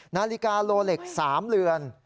นาฬิกาโลเล็ก๓เหลือน